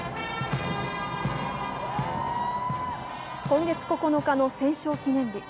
今月９日の戦勝記念日。